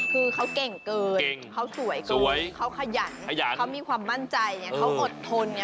คือเขาเก่งเกินเค้าสวยกว่าเค้าขยันเค้ามีความมั่นใจเค้าอดทนเวลานี้